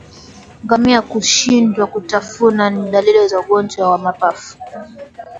Ngamia kushindwa kutafuna ni dalili za ugonjwa wa mapafu